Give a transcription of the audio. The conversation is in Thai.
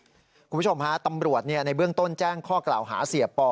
คุณผู้ชมฮะตำรวจในเบื้องต้นแจ้งข้อกล่าวหาเสียปอ